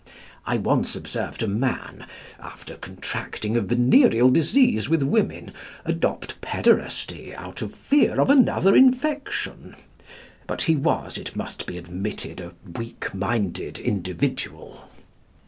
I once observed a man, after contracting a venereal disease with women, adopt pæderasty out of fear of another infection; but he was, it must be admitted, a weak minded individual.